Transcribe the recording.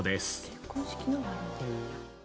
結婚式のはあるんだ。